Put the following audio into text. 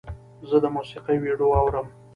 زه د موسیقۍ ویډیو اورم.